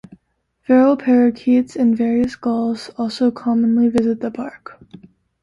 Feral parakeets and various gulls also commonly visit the park.